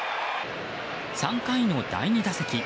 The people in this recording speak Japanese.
３回の第２打席。